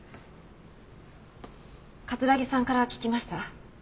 桂木さんから聞きました。